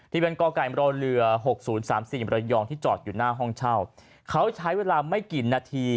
ที่เป็นกล้องไก่บริเวณเหลือหกศูนย์สามสี่บริยองที่จอดอยู่หน้าห้องเช่าเขาใช้เวลาไม่กี่นาที